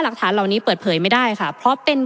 ประเทศอื่นซื้อในราคาประเทศอื่น